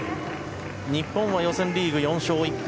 日本は予選リーグ４勝１敗。